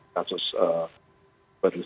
dia sudah periuk